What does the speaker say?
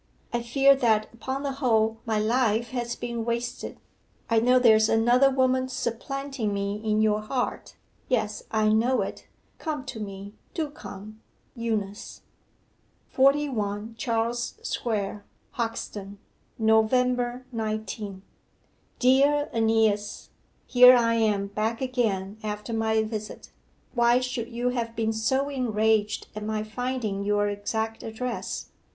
I fear that upon the whole my life has been wasted. I know there is another woman supplanting me in your heart yes, I know it. Come to me do come. EUNICE.' '41 CHARLES SQUARE, HOXTON, November 19. 'DEAR AENEAS, Here I am back again after my visit. Why should you have been so enraged at my finding your exact address?